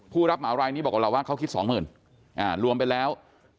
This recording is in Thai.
ผู้รับเหมารายนี้บอกกับเราว่าเขาคิด๒๐๐๐รวมไปแล้ว